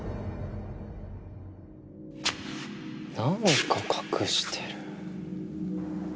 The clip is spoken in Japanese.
何か隠してる。